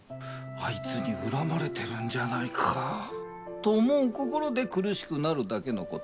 「あいつに恨まれてるんじゃないか？」と思う心で苦しくなるだけの事。